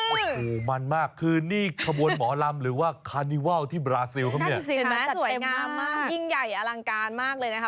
โอ้มั่นมากคือนี่ขบวนหมอลำหรือว่ายังสวยงามมากยิ่งใหญ่อลังการมากเลยนะคะ